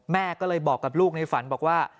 แม่ก็เลยบอกกับลูกในฝันบอกว่า